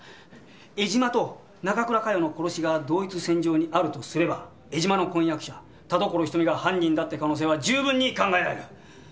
江島と中倉佳世の殺しが同一線上にあるとすれば江島の婚約者田所瞳が犯人だって可能性は十分に考えられる。